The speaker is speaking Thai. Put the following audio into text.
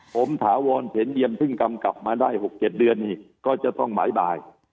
ผมถาวรเสนเนียมเพิ่งกำกลับมาได้๖๗เดือนนี่ก็จะต้องหมายบาย